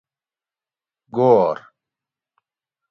گور